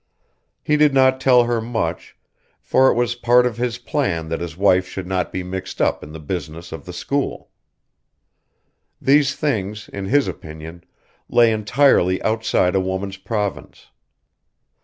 He did not tell her much, for it was part of his plan that his wife should not be mixed up in the business of the school. These things, in his opinion, lay entirely outside a woman's province.